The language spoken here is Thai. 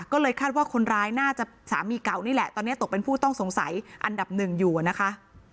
ก็เลยคาดว่าคนร้ายน่าจะสามีเก่านี่แหละตอนนี้ตกเป็นผู้ต้องสงสัยอันดับหนึ่งอยู่นะคะ